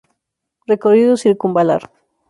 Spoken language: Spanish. Recorrido Circunvalar